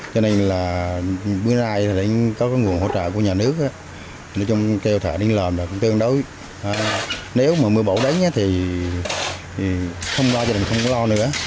cho nên là bữa nay có nguồn hỗ trợ của nhà nước nếu mà mưa bão đánh thì không lo gia đình không có lo nữa